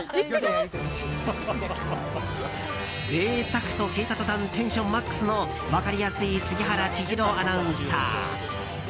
贅沢と聞いた途端テンションマックスの分かりやすい杉原千尋アナウンサー。